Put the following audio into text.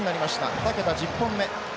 ふた桁１０本目。